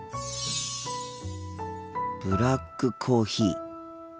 ブラックコーヒー。